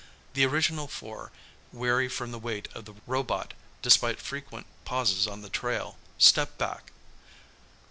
The original four, weary from the weight of the robot despite frequent pauses on the trail, stepped back.